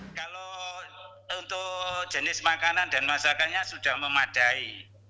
kalau untuk jenis makanan dan masakannya sudah memadai